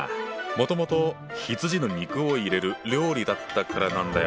もともと羊の肉を入れる料理だったからなんだよ。